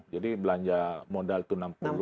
jadi belanja modal itu enam puluh